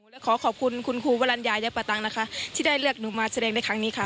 และขอขอบคุณคุณครูวัลัญญายัปตังที่ได้เลือกหนูมาแสดงได้ครั้งนี้ค่ะ